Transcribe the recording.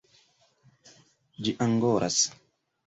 Ĝi angoras.